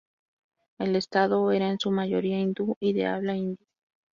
El estado era en su mayoría hindú y de habla hindi.